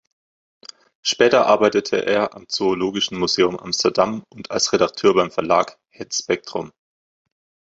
Später arbeitete er am Zoologischen Museum Amsterdam und als Redakteur beim Verlag "Het Spectrum".